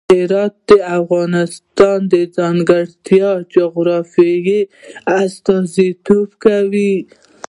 هرات د افغانستان د ځانګړي جغرافیه استازیتوب کوي.